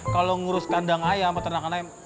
kalau ngurus kandang ayam peternakan ayam